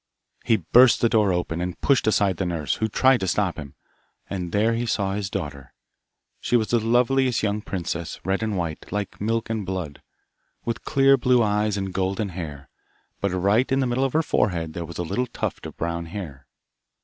He burst the door open, and pushed aside the nurse, who tried to stop him, and there he saw his daughter. She was the loveliest young princess, red and white, like milk and blood, with clear blue eyes and golden hair, but right in the middle of her forehead there was a little tuft of brown hair.